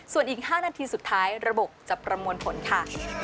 ส่วนอีก๕นาทีสุดท้ายระบบจะประมวลผลค่ะ